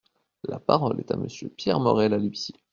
La parole est à Monsieur Pierre Morel-A-L’Huissier.